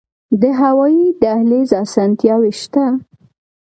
د هوایی دهلیز اسانتیاوې شته؟